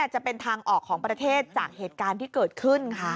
จะเป็นทางออกของประเทศจากเหตุการณ์ที่เกิดขึ้นค่ะ